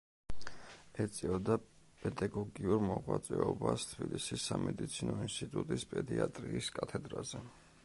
ეწეოდა პედაგოგიურ მოღვაწეობას თბილისის სამედიცინო ინსტიტუტის პედიატრიის კათედრაზე.